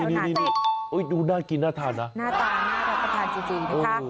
นี่ดูน่ากินน่าทานนะน่าทานน่ากินน่ากินน่าทานจริงนะคะ